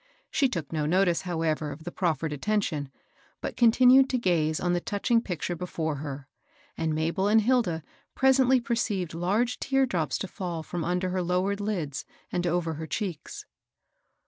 She took no notice, however, of the proffered attention, but continued to gaze on the touching picture before her; and Mabel and Hilda presently perceived large tearnlrops to &11 from under her lowered lids and over her cheeks.